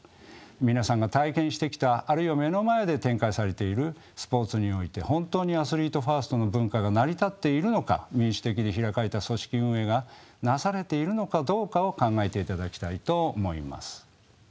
皆さんが体験してきたあるいは目の前で展開されているスポーツにおいて本当にアスリートファーストの文化が成り立っているのか民主的で開かれた組織運営がなされているのかどうかを考えていただきたいと思います。